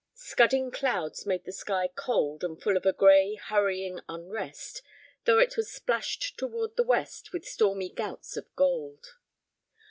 Scudding clouds made the sky cold and full of a gray hurrying unrest, though it was splashed toward the west with stormy gouts of gold.